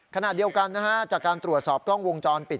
ขณะเดียวกันจากการตรวจสอบกล้องวงจรปิด